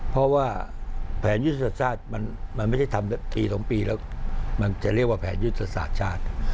เพราะว่าแผนยุทธศาสตร์ชาติมันไม่ใช่ทำที๒ปีแล้วมันจะเรียกว่าแผนยุทธศาสตร์ชาติ